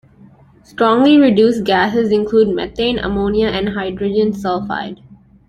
Strongly reduced gases include methane, ammonia, and hydrogen sulfide.